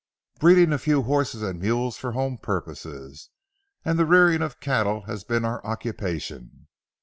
Breeding a few horses and mules for home purposes, and the rearing of cattle has been our occupation.